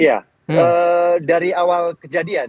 ya dari awal kejadian